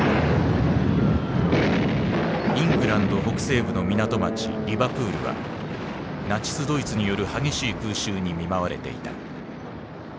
イングランド北西部の港町リバプールはナチス・ドイツによる激しい空襲に見舞われていた。